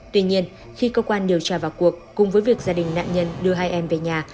tuy nhiên khi cơ quan điều tra vào cuộc cùng với việc gia đình nạn nhân đưa hai em về nhà